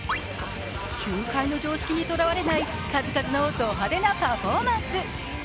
球界の常識にとらわれない数々のド派手なパフォーマンス。